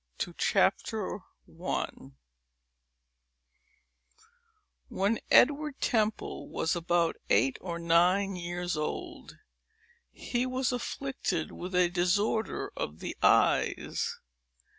Chapter I When Edward Temple was about eight or nine years old, he was afflicted with a disorder of the eyes.